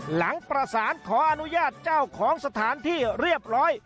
หลังประสานขออนุญาตเจ้าของสถานที่เรียบร้อย